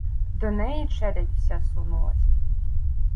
До неї челядь вся сунулась